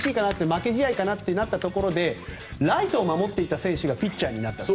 負け試合かなとなったところでライトを守っていた選手がピッチャーになった。